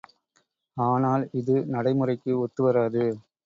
ஆனால் இது நடைமுறைக்கு ஒத்து வராது.